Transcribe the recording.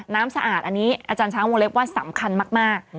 สะอาดอันนี้อาจารย์ช้างวงเล็บว่าสำคัญมาก